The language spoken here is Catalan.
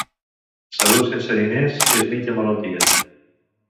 Salut sense diners és mitja malaltia.